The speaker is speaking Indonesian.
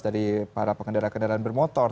dari para pengendara kendaraan bermotor